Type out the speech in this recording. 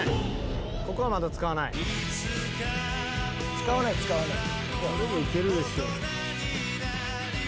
使わない使わない。